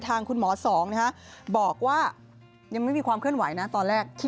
ทางคุณหมอสองนะฮะบอกว่ายังไม่มีความเคลื่อนไหวนะตอนแรก